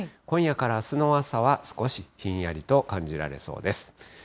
今夜からあすの朝は、少しひんやりと感じられそうです。